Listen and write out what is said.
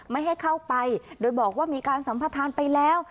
ไม่ให้เข้าไปโดยบอกว่ามีการสัมพทานไปแล้ว